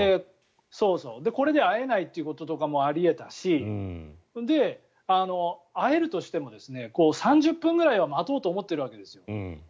これで会えないってこととかもあり得たしで、会えるとしても３０分くらいは待とうと思っているわけですよ。